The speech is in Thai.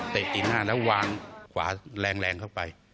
ตีหน้าแล้ววางขวาแรงเข้าไป